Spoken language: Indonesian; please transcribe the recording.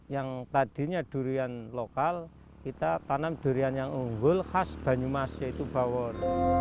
yang tadinya durian lokal kita tanam durian yang unggul khas banyumas yaitu bawor